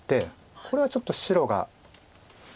これはちょっと白が甘いです。